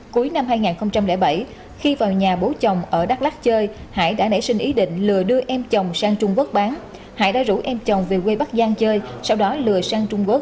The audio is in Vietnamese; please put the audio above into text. cuối năm hai nghìn bảy khi vào nhà bố chồng ở đắk lắc chơi hải đã nảy sinh ý định lừa đưa em chồng sang trung quốc bán hải đã rủ em chồng về quê bắc giang chơi sau đó lừa sang trung quốc